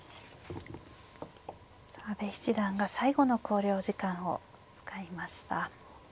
阿部七段が最後の考慮時間を使いました。